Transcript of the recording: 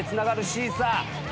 シーサー